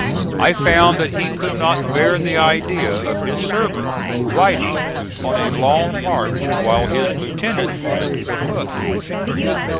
I found that he could not bear the idea of his servant riding on a long march while his lieutenant went a foot.